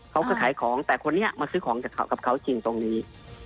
เขาก็ขายของแต่คนนี้มาซื้อของกับเขาจริงตรงนี้